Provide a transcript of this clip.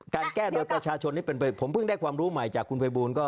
การแก้โดยประชาชนที่เป็นไปผมเพิ่งได้ความรู้ใหม่จากคุณภัยบูลก็